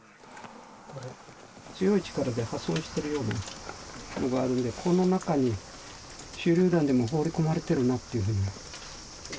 強い力で破損してるような所があるので、この中に、手りゅう弾でも放り込まれてるなっていうふうに。